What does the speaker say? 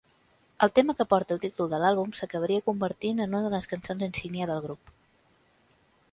El tema que porta el títol de l'àlbum s'acabaria convertint en una de les cançons insígnia del grup.